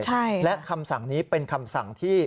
ใช่และคำสั่งนี้เป็นคำสั่งที่